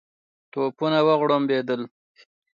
توپونه وغړومبېدل.